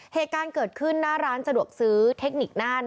เหตุการณ์เกิดขึ้นหน้าร้านสะดวกซื้อเทคนิคน่าน